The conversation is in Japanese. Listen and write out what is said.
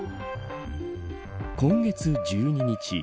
今月１２日。